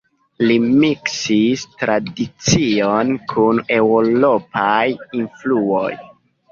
Li miksis tradicion kun eŭropaj influoj.